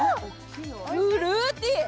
フルーティー！